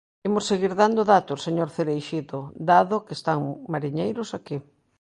Imos seguir dando datos, señor Cereixido, dado que están mariñeiros aquí.